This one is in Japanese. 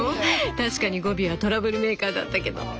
確かにゴビはトラブルメーカーだったけど。